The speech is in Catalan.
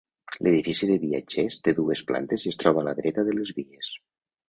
L'edifici de viatgers té dues plantes i es troba a la dreta de les vies.